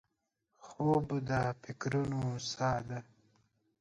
خوب د فکرونو سا ده